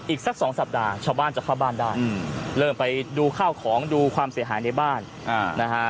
อีกสักสองสัปดาห์ชาวบ้านจะเข้าบ้านได้เริ่มไปดูข้าวของดูความเสียหายในบ้านนะฮะ